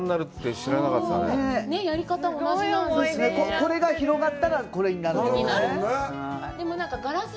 これが広がったらこれになるガラス